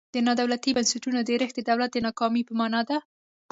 د نا دولتي بنسټونو ډیرښت د دولت د ناکامۍ په مانا دی.